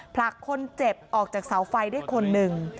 ผลักคนเจ็บออกจากเสาไฟได้คนหนึ่ง